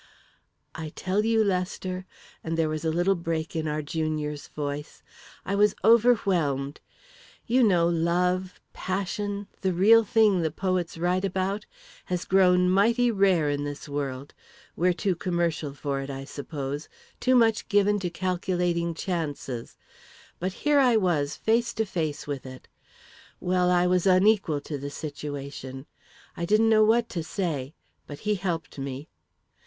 "I tell you, Lester," and there was a little break in our junior's voice, "I was overwhelmed. You know, love passion the real thing the poets write about has grown mighty rare in this world. We're too commercial for it, I suppose; too much given to calculating chances. But here I was, face to face with it. Well, I was unequal to the situation I didn't know what to say, but he helped me.